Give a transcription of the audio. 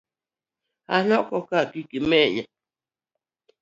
An oko ka kik imanya.